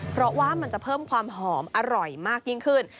เพราะว่ามันจะเพิ่มความหอมอร่อยมากยิ่งขึ้น